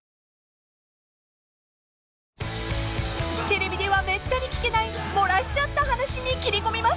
［テレビではめったに聞けない漏らしちゃった話にきり込みます］